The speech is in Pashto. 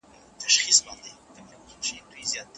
حق د حقدار په رضا ساقطيدلای سي که نه؟